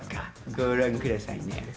ご覧くださいね。